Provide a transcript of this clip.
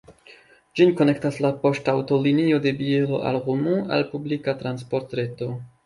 Ĝin konektas la poŝtaŭtolinio de Bielo al Romont al la publika transportreto.